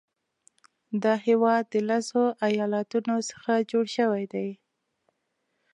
دا هیواد د لسو ایالاتونو څخه جوړ شوی دی.